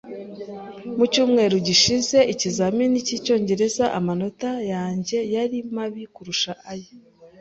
Mu cyumweru gishize ikizamini cyicyongereza, amanota yanjye yari mabi kurusha iye. .